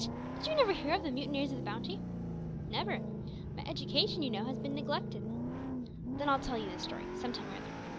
did you never hear of the mutineers of the Bounty?" "Never. My education, you know, has been neglected." "Then I'll tell you the story some time or other.